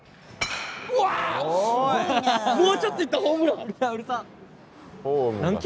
もうちょっと行ったらホームラン。